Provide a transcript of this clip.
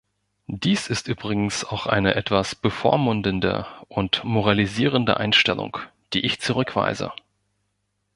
Dies ist übrigens auch eine etwas bevormundende und moralisierende Einstellung, die ich zurückweise.